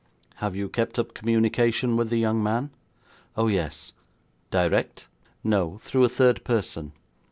'Have you kept up communication with the young man?' 'Oh, yes.' 'Direct?' 'No; through a third person.